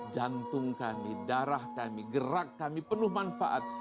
jantung kami darah kami gerak kami penuh manfaat